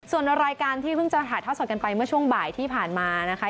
ส่วนรายการที่เพิ่งจะถ่ายทอดสดกันไปเมื่อช่วงบ่ายที่ผ่านมานะคะ